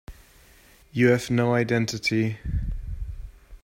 You have no identity.